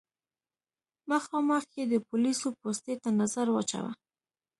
مخامخ يې د پوليسو پوستې ته نظر واچوه.